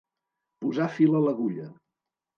Posar fil a l'agulla.